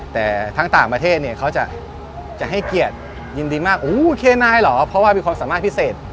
แต่ทั้งต่างประเทศเนี่ยเขาจะให้เกียรติยินดีมากโอ้เคนายเหรอเพราะว่ามีความสามารถพิเศษ